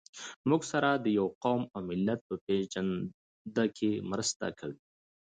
موږ سره د يوه قوم او ملت په پېژنده کې مرسته کوي.